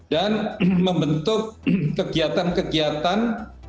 dan membentuk kegiatan kegiatan